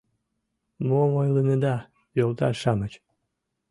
— Мом ойлынеда, йолташ-шамыч?